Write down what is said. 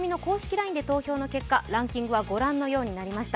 ＬＩＮＥで投票の結果、ランキングはご覧のようになりました。